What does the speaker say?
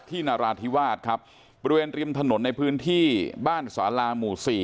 นาราธิวาสครับบริเวณริมถนนในพื้นที่บ้านสาลาหมู่๔